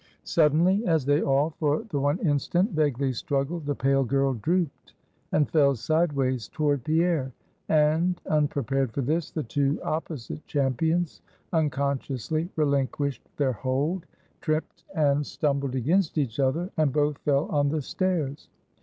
Suddenly, as they all, for the one instant vaguely struggled, the pale girl drooped, and fell sideways toward Pierre; and, unprepared for this, the two opposite champions, unconsciously relinquished their hold, tripped, and stumbled against each other, and both fell on the stairs.